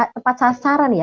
tepat sasaran ya